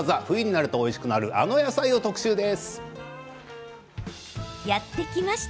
冬になるとおいしくなるあの野菜を特集です。